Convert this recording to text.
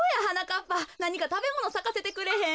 っぱなにかたべものさかせてくれへん？